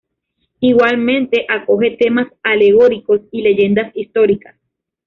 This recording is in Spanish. Igualmente, acoge temas alegóricos y leyendas históricas.